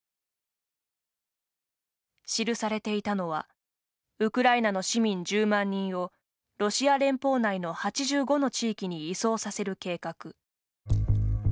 記されていたのはウクライナの市民１０万人をロシア連邦内の８５の地域に移送させる計画。